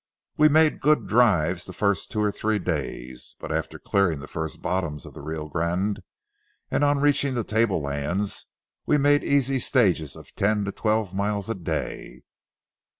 We made good drives the first two or three days; but after clearing the first bottoms of the Rio Grande and on reaching the tablelands, we made easy stages of ten to twelve miles a day.